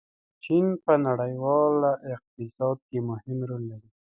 چین په نړیواله اقتصاد کې مهم رول لري.